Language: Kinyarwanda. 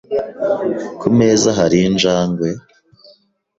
Ku meza hari injangwe?